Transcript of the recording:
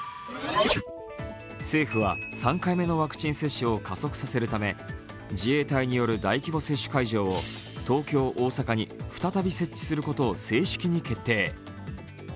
政府は３回目のワクチン接種を加速させるため、自衛隊による大規模接種会場を東京、大阪に再び設置することを正式に決定。